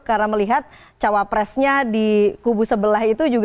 karena melihat cawapresnya di kubu sebelah itu